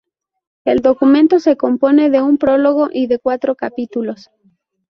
El documento se compone de un prólogo y de cuatro capítulos.